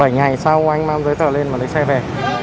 bảy ngày sau anh mang giới tờ lên và lấy xe về